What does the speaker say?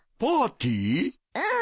うん。